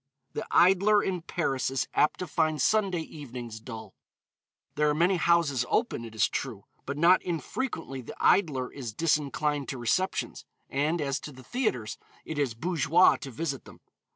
The idler in Paris is apt to find Sunday evenings dull. There are many houses open, it is true, but not infrequently the idler is disinclined to receptions, and as to the theatres, it is bourgeois to visit them.